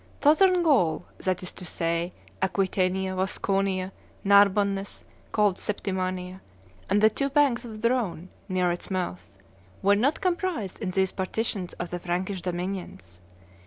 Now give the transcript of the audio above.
Southern Gaul, that is to say, Aquitania, Vasconia, Narbonness, called Septimania, and the two banks of the Rhone near its mouths, were not comprised in these partitions of the Frankish dominions.